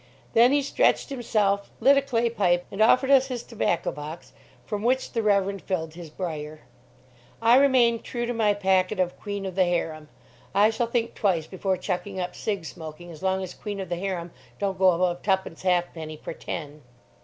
Then he stretched himself, lit a clay pipe, and offered us his tobacco box, from which the Reverend filled his briar. I remained true to my packet of "Queen of the Harem." I shall think twice before chucking up cig. smoking as long as "Queen of the Harem" don't go above tuppence half penny per ten.